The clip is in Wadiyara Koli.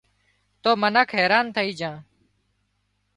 تو منک حيران ٿئي جھان